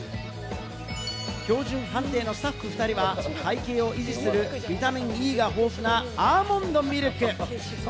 標準判定のスタッフ２人は体形を維持するビタミンＥが豊富なアーモンドミルク。